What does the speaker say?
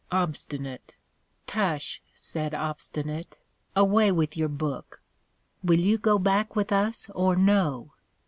OBST. Tush, said Obstinate, away with your Book; will you go back with us or no?